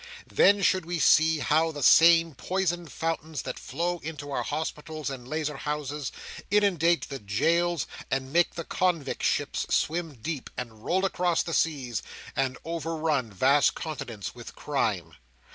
Then should we see how the same poisoned fountains that flow into our hospitals and lazar houses, inundate the jails, and make the convict ships swim deep, and roll across the seas, and over run vast continents with crime.